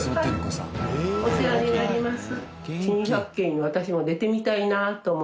はいお世話になります。